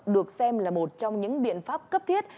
được xem là một trong những biện pháp cấp thiết